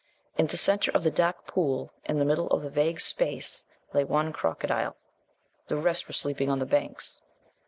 In the centre of the dark pool in the middle of the vague space lay one crocodile. The rest were sleeping on the banks.